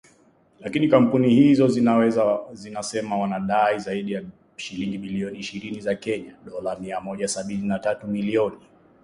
Lakini kampuni hizo zinasema wanadai zaidi ya shilingi bilioni ishirini za Kenya (Dola mia moja sabini na tatu milioni).